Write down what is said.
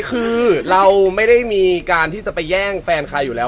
คือเราไม่ได้มีการที่จะไปแย่งแฟนใครอยู่แล้ว